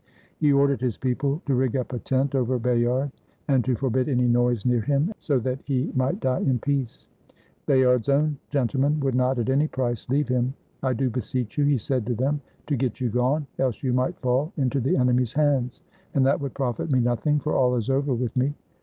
He ordered his people to rig up a tent over Bayard, and to forbid any noise near him, so that he might die in peace. 224 THE DEATH OF THE CHEVALIER BAYARD Bayard's own gentlemen would not, at any price, leave him. " I do beseech you," he said to them, " to get you gone; else you might fall into the enemy's hands, and that would profit me nothing, for all is over with me.